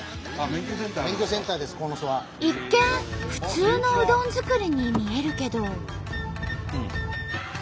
一見普通のうどん作りに見えるけど。